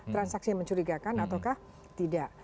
transaksi yang mencurigakan ataukah tidak